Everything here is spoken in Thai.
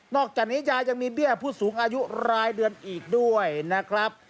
อกจากนี้ยายังมีเบี้ยผู้สูงอายุรายเดือนอีกด้วยนะครับ